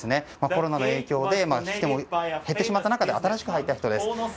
コロナの影響で引き手も減ってしまった中で新しく入った方です。